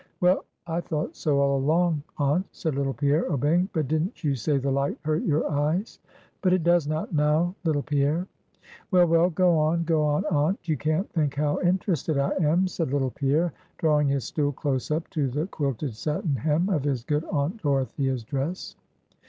"Well, I thought so all along, aunt," said little Pierre, obeying; "but didn't you say the light hurt your eyes." "But it does not now, little Pierre." "Well, well; go on, go on, aunt; you can't think how interested I am," said little Pierre, drawing his stool close up to the quilted satin hem of his good Aunt Dorothea's dress.